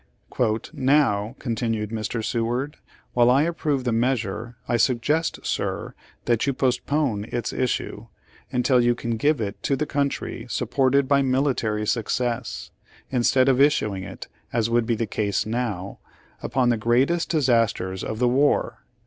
" 'Now,' continued Mr. Seward, 'while I approve the measure, I suggest, sir, that you postpone its issue, until you can give it to the country supported by military success, instead of issuing it, as would be the case now, upon the greatest disasters of the war!'"